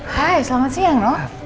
hai selamat siang